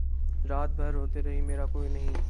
رات بھر روتے رہے مرا کوئی نہیں